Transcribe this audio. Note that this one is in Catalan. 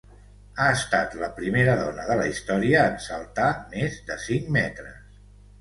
Ha estat la primera dona de la història en saltar més de cinc metres.